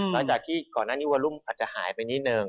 แล้วจากที่ก่อนหน้านี้เวลาคู้อาจจะหายไปนิดนึง